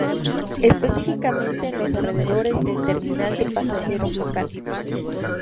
Específicamente en los alrededores del terminal de pasajeros local.